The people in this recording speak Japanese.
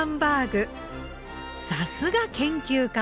さすが研究家！